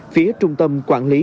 phía trung tâm quản lý